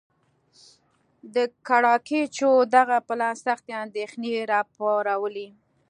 د ګراکچوس دغه پلان سختې اندېښنې را وپارولې.